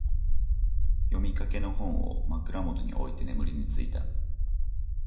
読みかけの本を、枕元に置いて眠りについた。